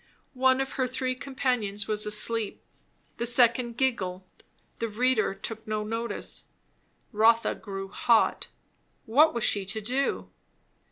One of her three companions was asleep; the second giggled; the reader took no notice. Rotha grew hot. What was she to do?